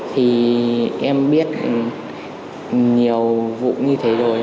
thì em biết nhiều vụ như thế rồi